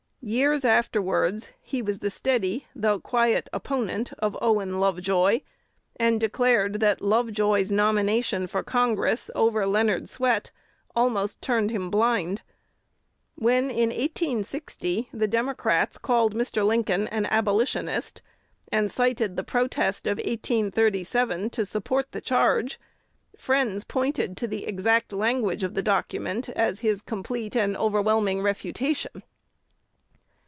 Years afterwards he was the steady though quiet opponent of Owen Lovejoy, and declared that Lovejoy's nomination for Congress over Leonard Swett "almost turned him blind." When, in 1860, the Democrats called Mr. Lincoln an Abolitionist, and cited the protest of 1837 to support the charge, friends pointed to the exact language of the document as his complete and overwhelming refutation.